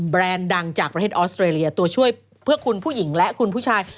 ดังจากประเทศออสเตรเลียตัวช่วยเพื่อคุณผู้หญิงและคุณผู้ชาย